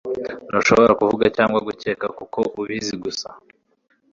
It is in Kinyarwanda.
Ntushobora kuvuga cyangwa gukeka kuko ubizi gusa